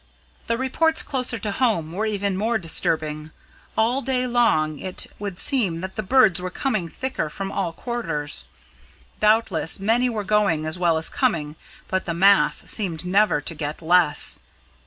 The reports closer to home were even more disturbing. All day long it would seem that the birds were coming thicker from all quarters. Doubtless many were going as well as coming, but the mass seemed never to get less.